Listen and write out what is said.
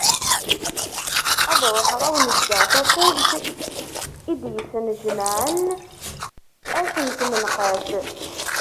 Ad ruḥeγ ad awen-ğğeγ tafugt i d yesnejmaԑen at n tmenqas.